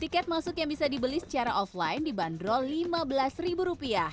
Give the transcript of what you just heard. tiket masuk yang bisa dibeli secara offline dibanderol rp lima belas